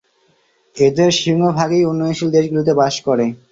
এদের সিংহভাগই উন্নয়নশীল দেশগুলিতে বাস করে।